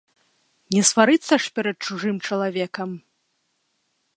Не сварыцца ж перад чужым чалавекам.